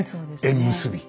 縁結び。